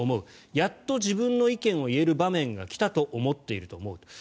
やっと自分の意見を言える場面が来たと思っていると思う。